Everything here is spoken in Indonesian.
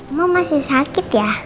oma masih sakit ya